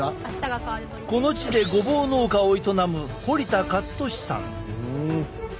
この地でごぼう農家を営む堀田勝利さん。